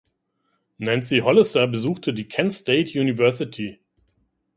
Nancy Hollister besuchte die Kent State University.